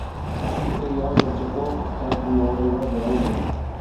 Fitxategi hau sortzeko kalkulu-orri bat erabili dut.